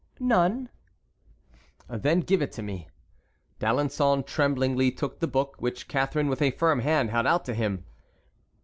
"None." "Then give it to me." D'Alençon tremblingly took the book, which Catharine with a firm hand held out to him.